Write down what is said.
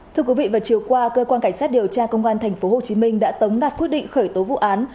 thưa quý vị vào chiều qua cơ quan cảnh sát điều tra công an tp hcm đã tống đạt quyết định khởi tố vụ án